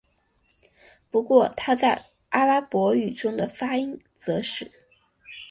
不过它在阿拉伯语中的发音则是。